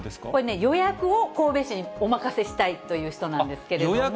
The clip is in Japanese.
これね、予約を神戸市にお任せしたいという人なんですけれども。